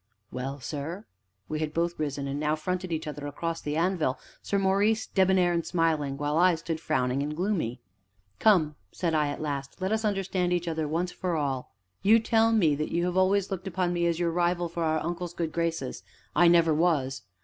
"Well, sir?" We had both risen, and now fronted each other across the anvil, Sir Maurice debonair and smiling, while I stood frowning and gloomy. "Come," said I at last, "let us understand each other once for all. You tell me that you have always looked upon me as your rival for our uncle's good graces I never was.